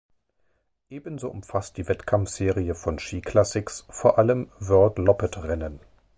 Ebenso umfasst die Wettkampfserie von Ski Classics vor allem Worldloppet-Rennen.